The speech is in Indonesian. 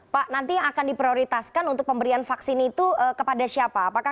pak nanti akan di prioritaskan untuk pemberian vaksin itu kepada siapa